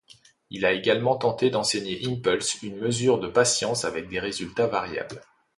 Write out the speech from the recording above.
Il a également tenté d'enseigner Impulse une mesure de patience avec des résultats variables.